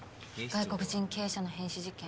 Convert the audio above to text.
外国人経営者の変死事件。